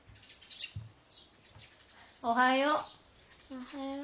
おはよう。